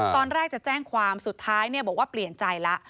ตอนแรกจะแจ้งความสุดท้ายบอกว่าเปลี่ยนใจแล้ว